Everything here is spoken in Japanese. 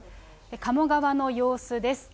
鴨川の様子です。